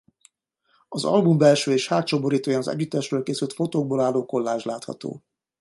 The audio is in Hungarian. Az album belső és hátsó borítóján az együttesről készült fotókból álló kollázs látható.